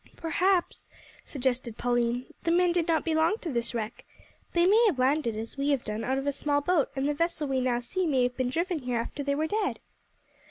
"Perhaps," suggested Pauline, "the men did not belong to this wreck. They may have landed as we have done out of a small boat, and the vessel we now see may have been driven here after they were dead."